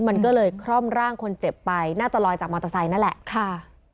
มันก็เลยคร่อมร่างคนเจ็บไปน่าจะลอยจากมอเตอร์ไซค์นั่นแหละค่ะ